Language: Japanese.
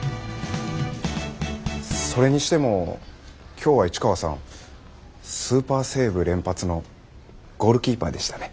それにしても今日は市川さんスーパーセーブ連発のゴールキーパーでしたね。